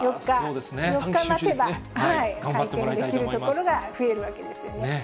４日待てば開店できる所が増えるわけですよね。